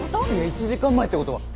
１時間前ってことは。